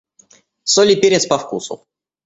Соль и перец по вкусу.